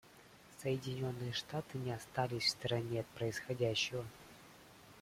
Соединенные Штаты не остались в стороне от происходящего.